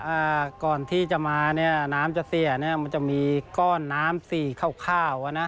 ลักษณะก่อนที่จะมาน้ำจะเสียมันจะมีก้อนน้ำสี่ข่าว